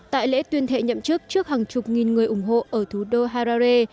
tại lễ tuyên thệ nhậm chức trước hàng chục nghìn người ủng hộ ở thủ đô harae